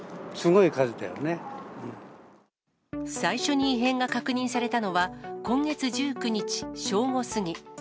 最初に異変が確認されたのは、今月１９日正午過ぎ。